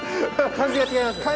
漢字が違います。